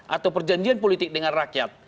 atau perjanjian politik dengan rakyat